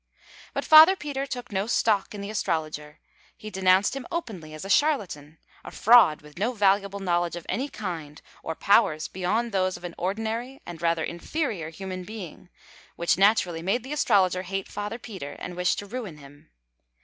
But Father Peter took no stock in the astrologer. He denounced him openly as a charlatan a fraud with no valuable knowledge of any kind, or powers beyond those of an ordinary and rather inferior human being, which naturally made the astrologer hate Father Peter and wish to ruin him.